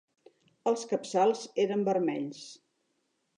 Els capçals eren vermells.